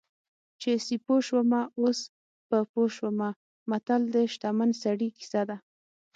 چې سیپو شومه اوس په پوه شومه متل د شتمن سړي کیسه ده